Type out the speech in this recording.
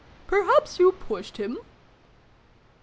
" Perhaps you pushed him ?